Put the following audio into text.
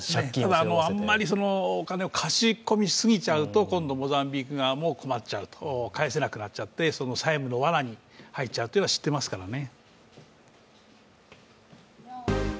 ただあんまりお金を貸し込みすぎちゃうと今度、モザンビーク側も返せなくなって、債務のわなに入るのは知っていますからね。